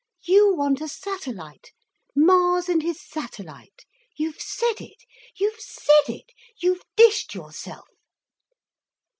You want a satellite, Mars and his satellite! You've said it—you've said it—you've dished yourself!"